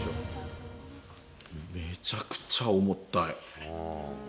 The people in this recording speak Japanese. めちゃくちゃ重たい。